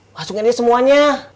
masukin aja semuanya